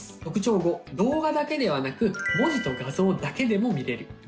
特徴５動画だけではなく文字と画像だけでも見れる。